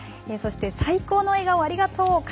そして、最高の笑顔ありがとう。